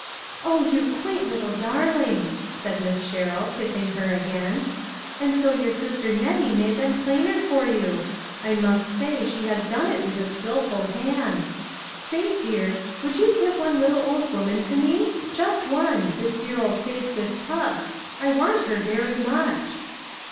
" Oh, you quaint little darling !" said Miss Sherrill, kissing her again. "And so your sis ter Nettie made them plainer for you. I must say she has done it with a skilful hand. Sate dear, would you give one little old woman to me ? Just one ; this dear old face with puffs, I want her very much."